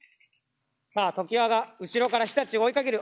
さあ常磐が後ろから常陸を追いかける。